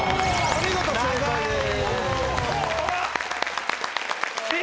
お見事正解です！